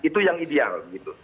itu yang ideal